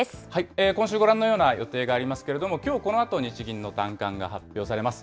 今週、ご覧のような予定がありますけれども、きょうこのあと日銀の短観が発表されます。